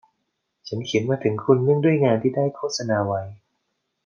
ฉันเขียนมาถึงคุณเนื่องด้วยงานที่ได้โฆษณาไว้